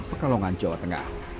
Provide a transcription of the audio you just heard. pekalongan jawa tengah